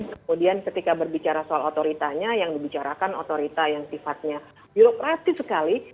kemudian ketika berbicara soal otoritanya yang dibicarakan otorita yang sifatnya birokratis sekali